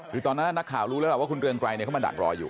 คือตอนนั้นนักข่าวรู้แล้วล่ะว่าคุณเรืองไกรเขามาดักรออยู่